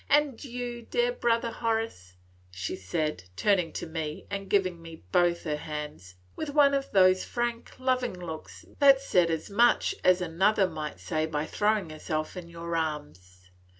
And you, dear brother Horace," she said, turning to me and giving me both her hands, with one of those frank, loving looks that said as much as another might say by throwing herself into your arms.